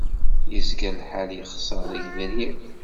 Yezga lḥal yexṣer deg Yebrir?